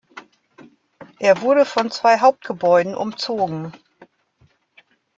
Er wurde von zwei Hauptgebäuden umzogen.